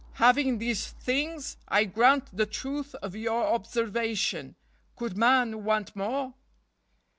Having these things, I grant the truth of your observation, * could man want more